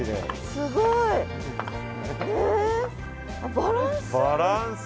すごい。へえバランス。